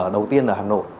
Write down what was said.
đầu tiên là hà nội